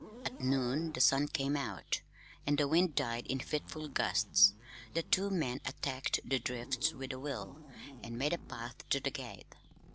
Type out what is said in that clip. At noon the sun came out, and the wind died into fitful gusts. The two men attacked the drifts with a will, and made a path to the gate.